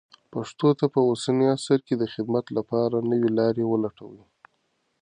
پښتو ته په اوسني عصر کې د خدمت لپاره نوې لارې ولټوئ.